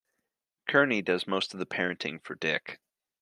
Kearney does most of the parenting for Dick.